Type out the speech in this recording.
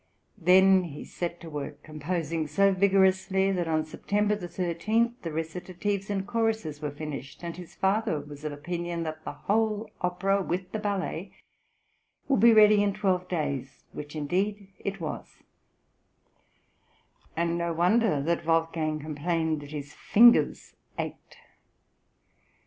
Then he set to work, composing so vigorously that on September 13 the recitatives and choruses were finished, and his father was of opinion that the whole opera with the ballet would be ready in twelve days, which indeed it was; and no wonder that Wolfgang complained that his fingers ached.